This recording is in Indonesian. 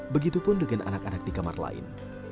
begitupun dengan anak anak di kamar lain